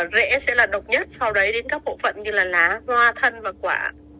rễ sẽ là độc nhất sau đấy đến các bộ phận như là lá hoa thân và quả